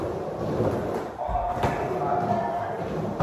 เขารอที่จะได้กลับบ้านพร้อมเขา